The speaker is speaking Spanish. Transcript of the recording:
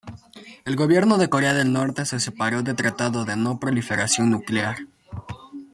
El gobierno de Corea del Norte se separó del Tratado de No Proliferación Nuclear.